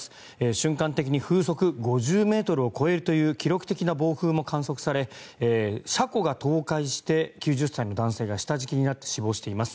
瞬間的に風速５０ｍを超えるという記録的な暴風も観測され車庫が倒壊して９０歳の男性が下敷きになって死亡しています。